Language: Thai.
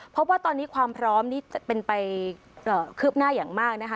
พบว่าตอนนี้ความพร้อมนี่จะเป็นไปคืบหน้าอย่างมากนะคะ